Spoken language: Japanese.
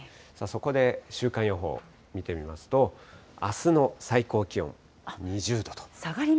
そこで週間予報見てみますと、あすの最高気温、２０度と。